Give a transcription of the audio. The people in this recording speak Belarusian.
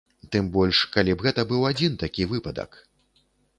Тым больш калі б гэта быў адзін такі выпадак.